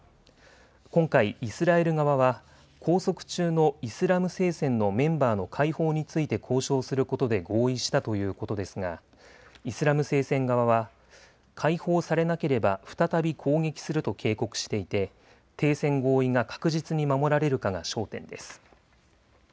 今回、イスラエル側は拘束中のイスラム聖戦のメンバーの解放について交渉することで合意したということですがイスラム聖戦側は解放されなければ再び攻撃すると警告していて停戦合意が確実に守られるかが焦点です。